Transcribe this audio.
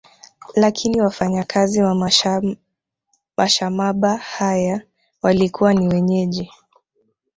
Lakini wafanayakazi wa mashamaba haya walikuwa ni wenyeji